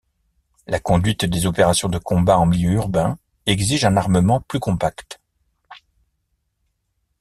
La conduite des opérations de combat en milieu urbain exige un armement plus compact.